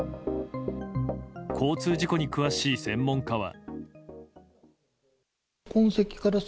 交通事故に詳しい専門家は。